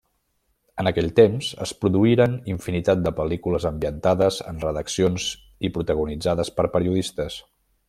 En aquell temps es produïren infinitat de pel·lícules ambientades en redaccions i protagonitzades per periodistes.